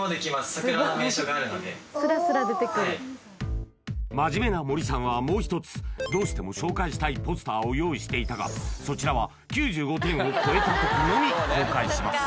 桜の名所があるのでおおはい真面目な森さんはもう一つどうしても紹介したいポスターを用意していたがそちらは９５点を超えた時のみ公開します